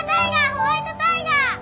ホワイトタイガー！